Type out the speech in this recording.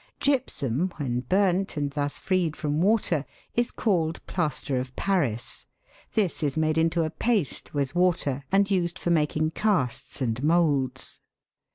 Gypsum, when burnt, and thus freed from water, is called plaster of Paris ; this is made into a paste with water and used for making casts and moulds.